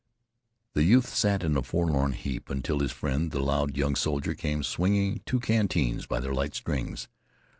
The youth sat in a forlorn heap until his friend the loud young soldier came, swinging two canteens by their light strings.